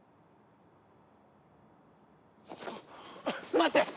待って！